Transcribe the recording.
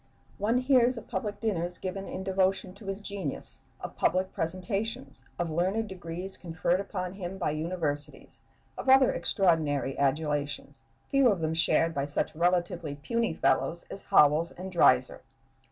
One hears of public dinners given in devotion to his genius, of public presentations, of learned degrees conferred upon him by universities, of other extraordinary adulations, few of them shared by such relatively puny fellows as Howells and Dreiser.